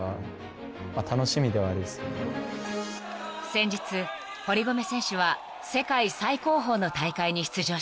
［先日堀米選手は世界最高峰の大会に出場しました］